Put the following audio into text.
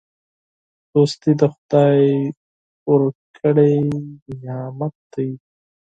دوستي د خدای ورکړی نعمت دی.